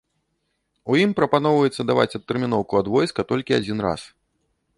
У ім прапаноўваецца даваць адтэрміноўку ад войска толькі адзін раз.